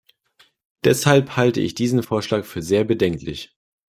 Deshalb halte ich diesen Vorschlag für sehr bedenklich.